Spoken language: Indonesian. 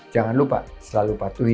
jangan lupa selalu patuhi